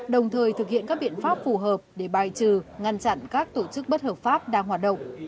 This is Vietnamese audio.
đồng thời thực hiện các biện pháp phù hợp để bài trừ ngăn chặn các tổ chức bất hợp pháp đang hoạt động